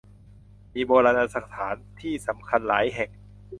มีโบราณสถานที่สำคัญหลายแห่ง